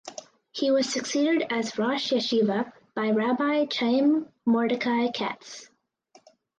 He was succeeded as rosh yeshiva by Rabbi Chaim Mordechai Katz.